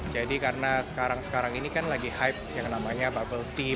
jadi karena sekarang sekarang ini kan lagi hype yang namanya bubble tea